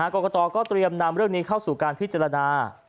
กรกตก็เตรียมนำเรื่องนี้เข้าสู่การพิจารณา